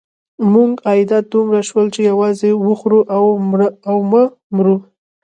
زموږ عایدات دومره شول چې یوازې وخوره او مه مره.